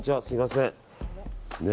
すみません。